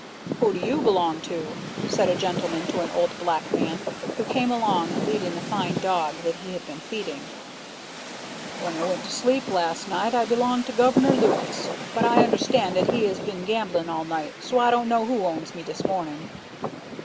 "Who do you belong to?" said a gentleman to an old black man, who came along leading a fine dog that he had been feeding. "When I went to sleep last night, I belonged to Governor Lucas; but I understand dat he is bin gambling all night, so I don't know who owns me dis morning."